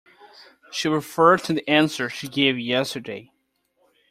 She referred to the answer she gave yesterday.